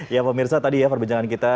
ya pemirsa tadi ya perbincangan kita